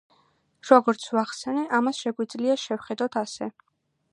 როგორც ვახსენე, ამას შეგვიძლია შევხედოთ ასე.